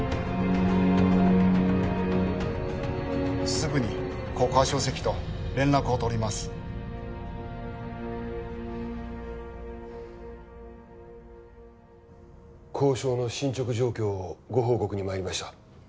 すぐに国家主席と連絡を取ります交渉の進捗状況をご報告にまいりました